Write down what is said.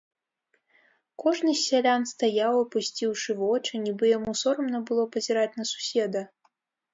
Кожны з сялян стаяў, апусціўшы вочы, нібы яму сорамна было пазіраць на суседа.